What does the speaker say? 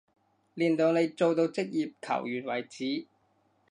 練到你做到職業球員為止